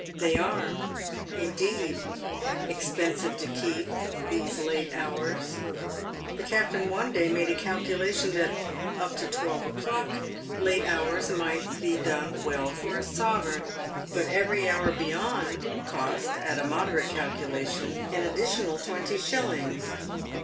They are, indeed, expensive to keep, these late hours. The cap tain one day made a calculation that, up to twelve o'clock, late hours might be done well for a sovereign, but every hour beyond cost, at a moderate calculation, an additional twenty shillings.